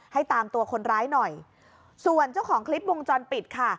ให้ตามตัวคนร้ายหน่อยส่วนเจ้าของคลิปวงจรปิดค่ะ